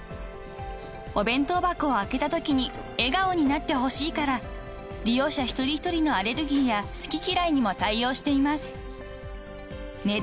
［お弁当箱を開けたときに笑顔になってほしいから利用者一人一人のアレルギーや好き嫌いにも対応しています］